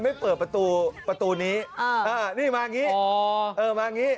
ไม่เปิดประตูนี้นี่มาอย่างนี้